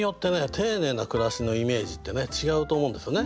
丁寧な暮らしのイメージってね違うと思うんですよね。